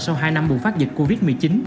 sau hai năm bùng phát dịch covid một mươi chín